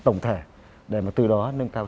tổng thể để mà từ đó nâng cao